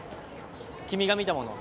君が見たもの